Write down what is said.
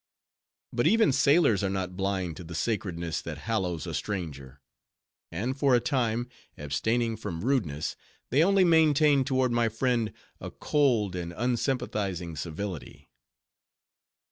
But even sailors are not blind to the sacredness that hallows a stranger; and for a time, abstaining from rudeness, they only maintained toward my friend a cold and unsympathizing civility.